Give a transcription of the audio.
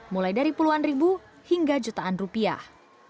mulai dari puluhan ribu hingga jutaan rupiah